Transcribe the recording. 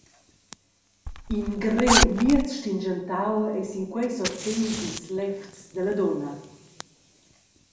In griu miez stinschentau ei sinquei sortius dils levzs dalla dunna.